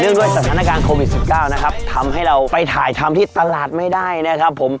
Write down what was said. ด้วยสถานการณ์โควิด๑๙นะครับทำให้เราไปถ่ายทำที่ตลาดไม่ได้นะครับผม